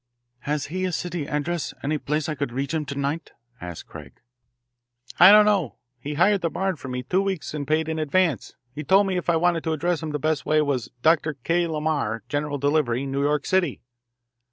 "Has he a city address any place I could reach him to night?" asked Craig. "I don't know. He hired the barn from me for two weeks and paid in advance. He told me if I wanted to address him the best way was 'Dr. K. Lamar, General Delivery, New York City.'"